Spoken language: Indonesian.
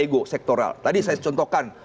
ego sektoral tadi saya contohkan